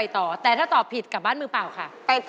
แต่ถ้าตอบผิดกลับบ้านมือเปล่าค่ะ